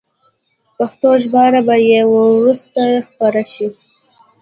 پښتو ژباړه به یې وروسته خپره شي.